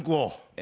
え？